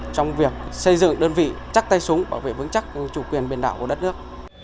trong việc xây dựng đơn vị chắc tay súng bảo vệ vững chắc chủ quyền biển đảo của đất nước